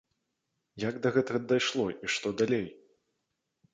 Як да гэтага дайшло і што далей?